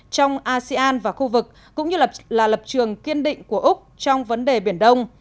trong asean và khu vực cũng như là lập trường kiên định của úc trong vấn đề biển đông